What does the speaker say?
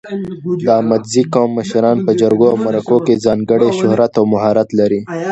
د احمدزي قوم مشران په جرګو او مرکو کې ځانګړی شهرت او مهارت لري.